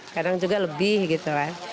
kadang juga lebih gitu kan